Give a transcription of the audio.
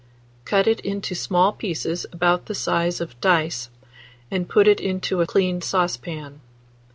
Cut it into small pieces about the size of dice, and put it into a clean saucepan.